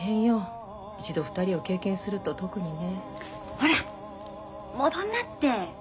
ほらっ戻んなって。